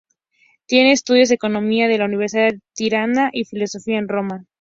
Tiene estudios de economía de la Universidad de Tirana y filosofía en Roma.